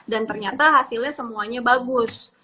dan ternyata hasilnya semuanya bagus